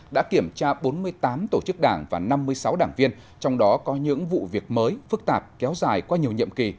đã kiểm tra bốn mươi tám tổ chức đảng và năm mươi sáu đảng viên trong đó có những vụ việc mới phức tạp kéo dài qua nhiều nhiệm kỳ